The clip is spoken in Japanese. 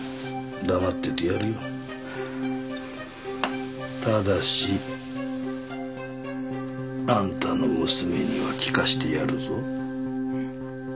黙っててやるよただしあんたの娘には聞かしてやるぞえっ？